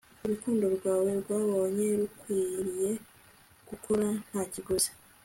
urukundo rwawe rwabonye rukwiriye gukora nta kiguzi